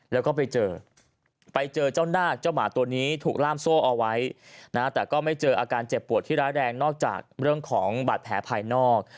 แล้วก็ไปเจอไปเจอเจ้านาคเจ้าหมาตัวนี้ถูกล่ามโซ่เอาไว้นะแต่ก็ไม่เจออาการเจ็บปวดที่ร้ายแรงนอกจากเรื่องของบาดแผลภายนอก